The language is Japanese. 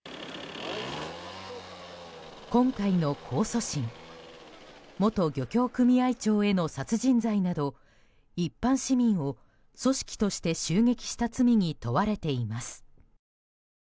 今回の控訴審元漁協組合長への殺人罪など一般市民を組織として襲撃した罪に問われています。